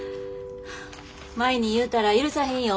舞に言うたら許さへんよ。